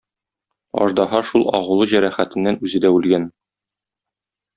Аждаһа шул агулы җәрәхәтеннән үзе дә үлгән.